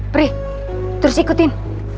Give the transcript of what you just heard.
prih terus ikutin